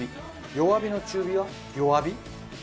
弱火の中火は弱火？